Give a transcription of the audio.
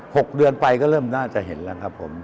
หกเดือนไปก็เริ่มน่าจะเห็นแล้วครับผม